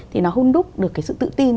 thì nó hôn đúc được cái sự tự tin